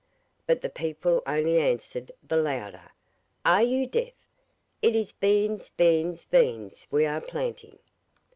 But the people only answered the louder: 'Are you deaf? It is beans, beans, beans we are planting.